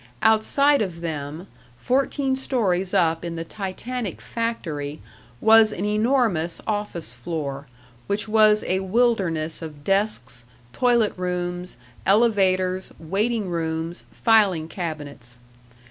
Outside of them, fourteen stories up in the titanic factory, was an enormous office floor, which was a wilderness of desks, toilet rooms, elevators, waiting rooms, filing cabinets.